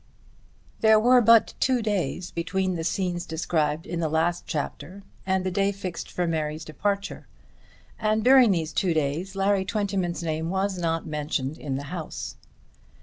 There were but two days between the scenes described in the last chapter and the day fixed for Mary's departure, and during these two days Larry Twentyman's name was not mentioned in the house.